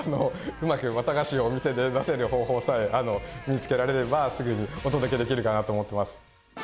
うまく綿菓子をお店で出せる方法さえ見つけられればすぐにお届けできるかなと思ってます。